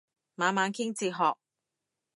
猛猛傾哲學